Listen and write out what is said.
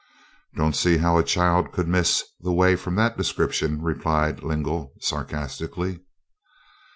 "Don't see how a child could miss the way from that description," replied Lingle, sarcastically.